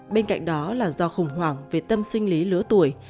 bên cạnh đó là do khủng hoảng về tâm sinh lý lứa tuổi